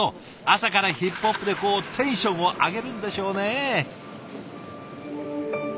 朝からヒップホップでこうテンションを上げるんでしょうね。